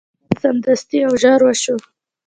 دا کار سمدستي او ژر وشو.